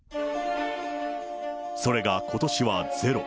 それがことしはゼロ。